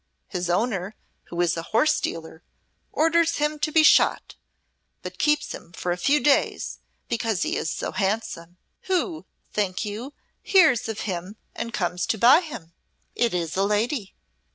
His owner, who is a horse dealer, orders him to be shot, but keeps him for a few days because he is so handsome. Who, think you, hears of him and comes to buy him? It is a lady.